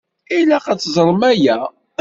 Ilaq ad t-teẓṛem aya.